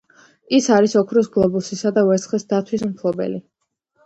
ის არის ოქროს გლობუსისა და ვერცხლის დათვის მფლობელი.